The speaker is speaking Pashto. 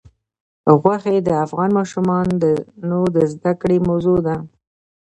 غوښې د افغان ماشومانو د زده کړې موضوع ده.